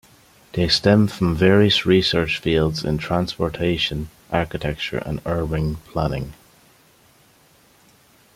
They stem from various research fields in transportation, architecture and urban planning.